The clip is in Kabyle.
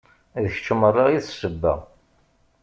D kečč merra i d ssebba